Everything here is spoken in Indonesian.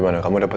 selamat sore pak